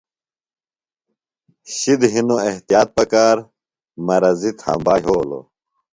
شِد ہِنوۡ احتیاط پکار، مرضی تھامبا یھولوۡ